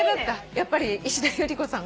やっぱり石田ゆり子さん超えてた？